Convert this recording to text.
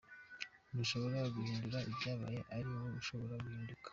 Ntushobora guhindura ibyabaye ariko wowe ushobora guhinduka.